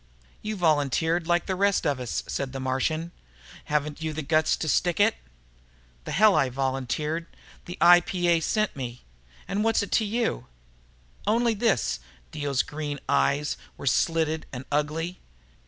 "You volunteered, like the rest of us," said the Martian. "Haven't you the guts to stick it?" "The hell I volunteered! The IPA sent me. And what's it to you?" "Only this." Dio's green eyes were slitted and ugly.